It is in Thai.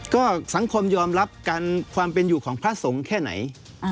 ก็สังคมยอมรับการความเป็นอยู่ของพระสงฆ์แค่ไหน